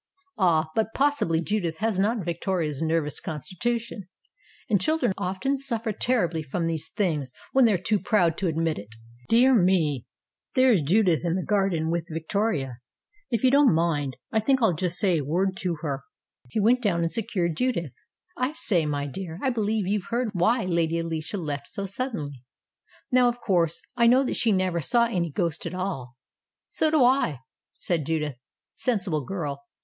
"Ah, but possibly Judith has not Victoria's nervous constitution, and children often suffer terribly from these things when they are too proud to admit it. Dear me, there is Judith in the garden with Victoria. If you don't mind, I think I'll just say a word to her." He went down and secured Judith. "I say, my dear, I believe you've heard why Lady Alicia left so THE TENWOOD WITCH 251 suddenly. Now, of course,. I know that she never saw any ghost at all." "So do I," said Judith. "Sensible girl.